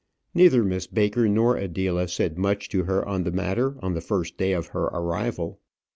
Neither Miss Baker nor Adela said much to her on the matter on the first day of her arrival.